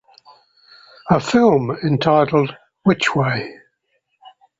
A film entitled Witch Way?